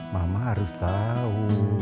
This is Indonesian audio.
mama harus tau